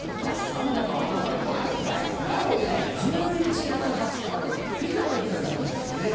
今日１１月２０日はピザの日なんだそうです。